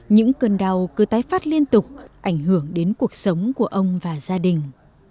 những cơn đau cứ tái phát liên tục ảnh hưởng đến cuộc sống của ông và gia đình